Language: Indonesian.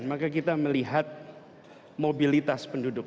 maka kita melihat mobilitas penduduk